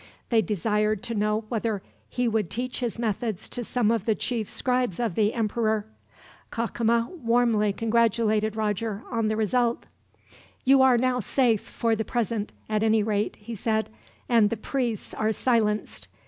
They desired to know whether he would teach his methods to some of the chief scribes of the emperor. Cacama warmly congratulated Roger on the result. "You are now safe, for the present, at any rate," he said, "and the priests are silenced.